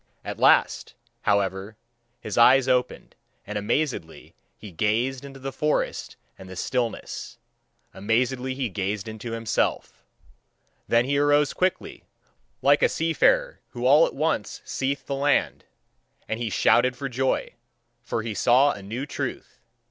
At last, however, his eyes opened, and amazedly he gazed into the forest and the stillness, amazedly he gazed into himself. Then he arose quickly, like a seafarer who all at once seeth the land; and he shouted for joy: for he saw a new truth.